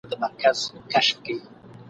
خو په هر ډول تر کرهنیز اووښتون وروسته